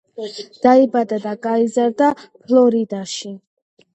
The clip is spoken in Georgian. დაიბადა და გაიზარდა ფლორიდაში.